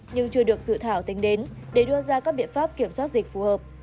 nhưng chưa được dự thảo tính đến để đưa ra các biện pháp kiểm soát dịch phù hợp